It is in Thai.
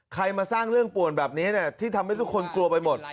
มาสร้างเรื่องป่วนแบบนี้ที่ทำให้ทุกคนกลัวไปหมด